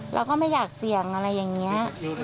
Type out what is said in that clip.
เราก็ไม่อยากเสี่ยงอะไรอย่างนี้